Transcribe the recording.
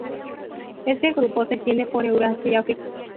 Este grupo se extiende por Eurasia y África.